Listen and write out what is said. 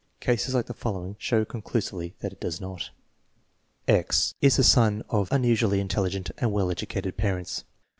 Cases like the following show conclu sively that it does not : X is the son of unusually intelligent and well educated parents.